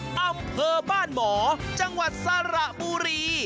อำเภอบ้านหมอจังหวัดสระบุรี